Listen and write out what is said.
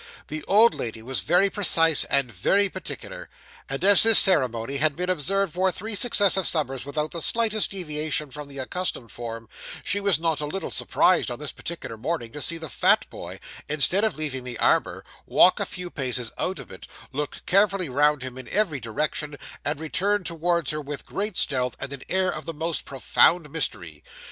The old lady was very precise and very particular; and as this ceremony had been observed for three successive summers without the slightest deviation from the accustomed form, she was not a little surprised on this particular morning to see the fat boy, instead of leaving the arbour, walk a few paces out of it, look carefully round him in every direction, and return towards her with great stealth and an air of the most profound mystery.